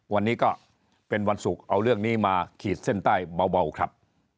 วันนี้ก็เป็นวันศุกร์เอาเรื่องนี้มาขีดเส้นใต้เบาครับ